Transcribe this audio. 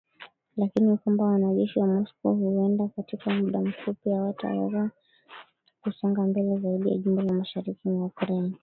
Lakini kwamba wanajeshi wa Moscow huwenda katika muda mfupi hawataweza kusonga mbele zaidi ya jimbo la mashariki mwa Ukraine